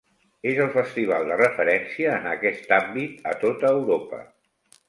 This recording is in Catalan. És el festival de referència en aquest àmbit a tota Europa.